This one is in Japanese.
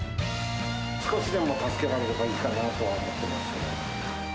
少しでも助けられればいいかなと思っています。